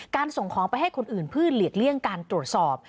ส่งของไปให้คนอื่นเพื่อหลีกเลี่ยงการตรวจสอบ